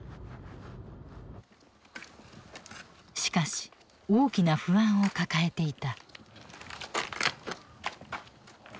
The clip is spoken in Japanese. しかし大きな不安を抱えていた。